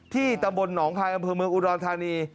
ตำบลหนองคายอำเภอเมืองอุดรธานี